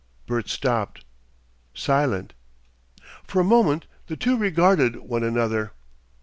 Bert stopped, silent. For a moment the two regarded one another.